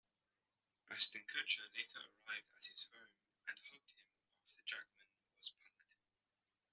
Ashton Kutcher later arrived at his home and hugged him after Jackman was punk'd.